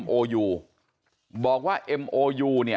ลาออกจากหัวหน้าพรรคเพื่อไทยอย่างเดียวเนี่ย